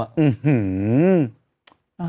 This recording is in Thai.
อื้อหือ